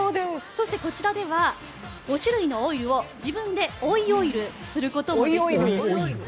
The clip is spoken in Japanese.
そして、こちらでは５種類のオイルを自分で追いオイルすることもできるんです。